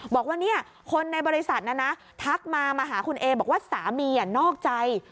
บอกว่าเนี่ยคนในบริษัททักมามาหาคุณเอบอกว่าสามีนอกใจ